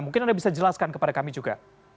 mungkin anda bisa jelaskan kepada kami juga